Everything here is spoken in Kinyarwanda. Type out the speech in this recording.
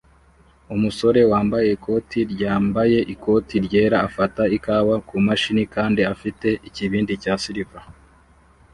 Umusore wambaye ikoti ryambaye ikoti ryera afata ikawa kumashini kandi afite ikibindi cya silver